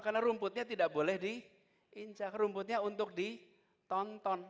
karena rumputnya tidak boleh diinjak rumputnya untuk ditonton